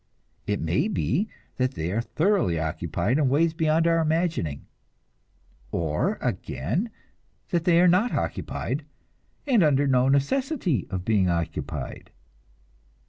It may be that they are thoroughly occupied in ways beyond our imagining, or again, that they are not occupied, and under no necessity of being occupied.